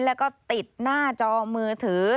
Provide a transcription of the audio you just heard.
แล้วก็ติดหน้าจอมือถือ